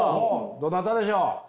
どなたでしょう？